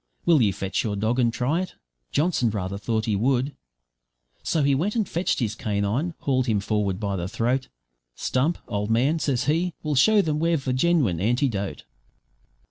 Will you fetch your dog and try it?' Johnson rather thought he would. So he went and fetched his canine, hauled him forward by the throat. `Stump, old man,' says he, `we'll show them we've the genwine antidote.'